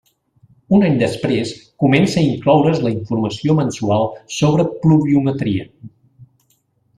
Un any després comença a incloure's la informació mensual sobre pluviometria.